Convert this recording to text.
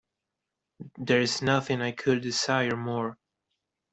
There is nothing I could desire more.